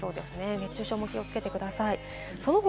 熱中症も気をつけてください。